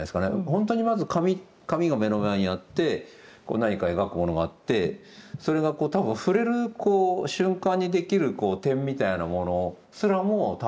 ほんとにまず紙が目の前にあって何か描くものがあってそれがこう多分触れる瞬間にできる点みたいなものすらも多分面白いんじゃないですか。